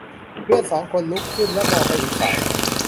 เพื่อนสองคนลุกขึ้นและมองไปอีกฝ่าย